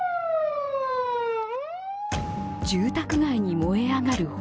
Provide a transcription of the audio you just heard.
住宅街に燃え上がる炎。